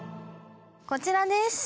こちらです。